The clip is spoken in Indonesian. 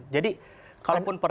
jadi kalaupun perpu